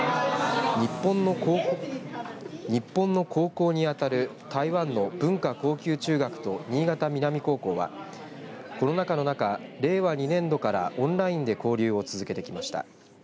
日本の高校に当たる台湾の文華高級中学と新潟南高校はコロナ禍の中では令和２年度からオンラインで交流を続けてきました。